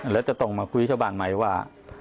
แล้วจะต้องมาคุยชาวบ้านใหม่ว่า